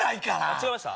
違いました？